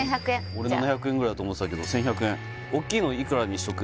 俺７００円ぐらいだと思ってたけど１１００円おっきいのいくらにしとく？